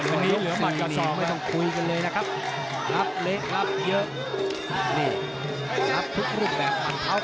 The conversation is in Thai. อันนี้เหลือหมัดกับสองครับ